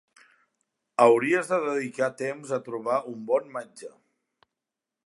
Hauries de dedicar temps a trobar un bon metge.